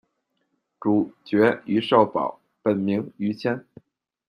主角于少保，本名于谦。